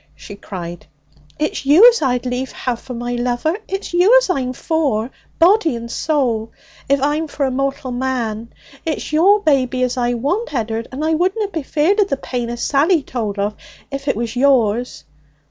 she cried, 'it's you as I'd lief have for my lover! It's you as I'm for, body and soul, if I'm for a mortal man! It's your baby as I want, Ed'ard, and I wouldna be feared o' the pain as Sally told of if it was yours.